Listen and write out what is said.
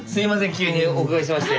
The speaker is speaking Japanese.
急にお伺いしまして。